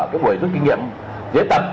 cái buổi rút kinh nghiệm diễn tập